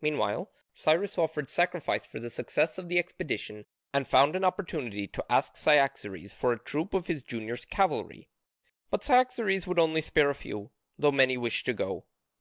Meanwhile Cyrus offered sacrifice for the success of his expedition and found an opportunity to ask Cyaxares for a troop of his junior cavalry. But Cyaxares would only spare a few, though many wished to go.